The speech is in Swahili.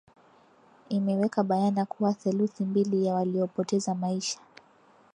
imeweka bayana kuwa theluthi mbili ya waliopoteza maisha